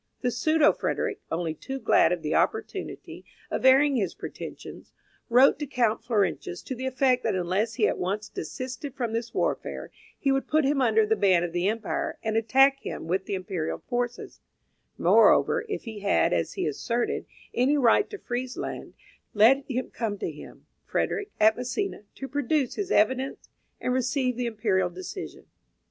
The pseudo Frederick, only too glad of the opportunity of airing his pretensions, wrote to Count Florentius to the effect that unless he at once desisted from this warfare, he would put him under the ban of the empire, and attack him with the imperial forces; moreover, if he had, as he asserted, any right to Friesland, let him come to him, Frederick, at Misina, to produce his evidence and receive the Imperial decision.